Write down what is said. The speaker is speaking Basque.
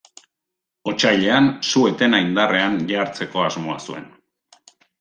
Otsailean, su-etena indarrean jartzeko asmoa zuen.